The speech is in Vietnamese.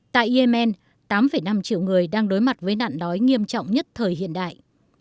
tại yemen tám năm triệu người đang đối mặt với nạn đói nghiêm trọng nhất thời hiện đại